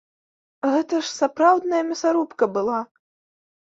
Гэта ж сапраўдная мясарубка была!